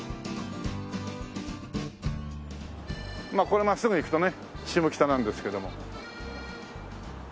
これ真っすぐ行くとね下北なんですけども。